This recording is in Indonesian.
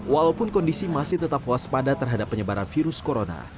walaupun kondisi masih tetap waspada terhadap penyebaran virus corona